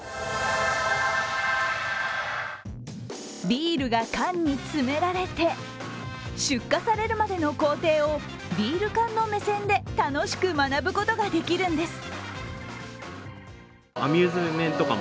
ビールが缶に詰められて、出荷されるまでの工程をビール缶の目線で楽しく学ぶことができるんです。